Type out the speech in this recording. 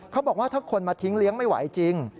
เขาบอกว่าถ้าคนมาทิ้งเลี้ยงไม่ไหวจริง